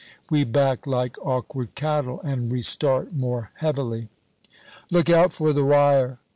We back like awkward cattle, and restart more heavily. "Look out for the wire!"